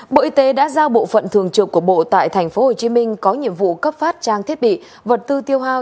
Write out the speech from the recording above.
bộ y tế đã giao bộ phận thường trực của bộ tại thành phố hồ chí minh có nhiệm vụ cấp phát trang thiết bị vật tư tiêu hào